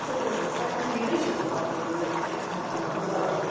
最近「ゆるい職場」っていう言葉が出てきていて。